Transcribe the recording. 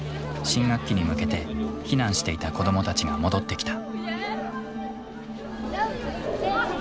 新学期に向けて避難していた子供たちが戻ってきた。